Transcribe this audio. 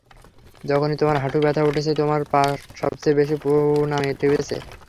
যখনই তোমার হাঁটুর ব্যাথা উঠেছে, তোমার পা সবচেয়ে বেশি পুনামে টিপেছে।